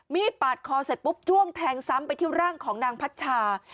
ปาดคอเสร็จปุ๊บจ้วงแทงซ้ำไปที่ร่างของนางพัชชา